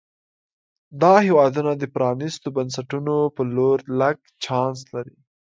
دا هېوادونه د پرانیستو بنسټونو په لور لږ چانس لري.